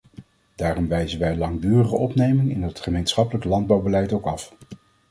Daarom wijzen wij langdurige opneming in het gemeenschappelijk landbouwbeleid ook af.